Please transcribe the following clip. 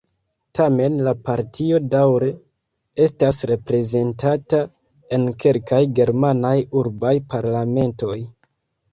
Tamen la partio daŭre estas reprezentata en kelkaj germanaj urbaj parlamentoj.